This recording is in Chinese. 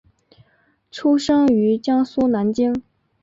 出生于江苏南京。